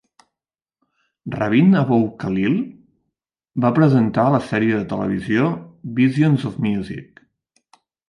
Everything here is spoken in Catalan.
Rabin Abou-Khalil va presentar la sèrie de televisió "Visions of Music".